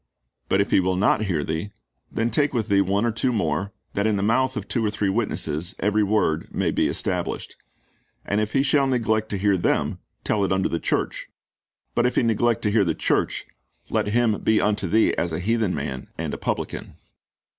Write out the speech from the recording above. But if he 'will not hear thee, then take with thee one or two more, that in the mouth of two or three witnesses every word may be established. And if he shall "neglect to hear them, tell it unto the church: but if he neglect to hear the church, let him be unto thee as an heathen man and a publican."